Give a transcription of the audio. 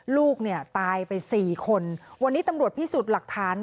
ลูกเนี่ยตายไปสี่คนวันนี้ตำรวจพิสูจน์หลักฐาน